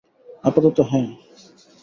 আপাতত, হ্যাঁ।